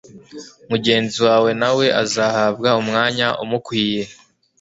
mugenzi wawe na we azahabwa umwanya umukwiye.